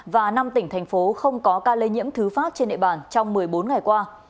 và năm tỉnh thành phố không có ca lây nhiễm thứ phát trên địa bàn trong một mươi bốn ngày qua